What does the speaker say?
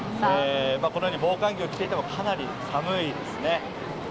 このように防寒着を着ていてもかなり寒いですね。